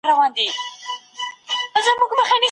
د انسان ارزښت د هغه په علم کي نغښتی دی.